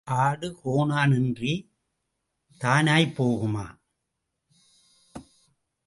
ஆடு கோனான் இன்றித் தானாய்ப் போகுமா?